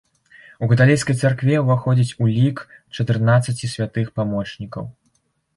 У каталіцкай царкве ўваходзіць у лік чатырнаццаці святых памочнікаў.